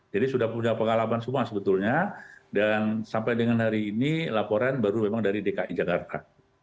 jadi sudah punya pengalaman semua sebetulnya dan sampai dengan hari ini laporan baru memang dari dki jakarta